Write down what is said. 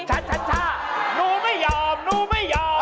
ชัดหนูไม่ยอมหนูไม่ยอม